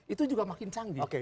itu juga makin canggih